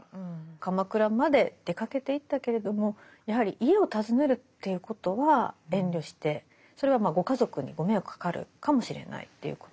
鎌倉まで出かけていったけれどもやはり家を訪ねるということは遠慮してそれはご家族にご迷惑かかるかもしれないということ。